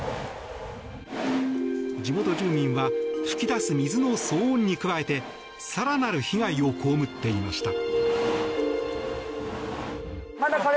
地元住民は噴き出す水の騒音に加えて更なる被害を被っていました。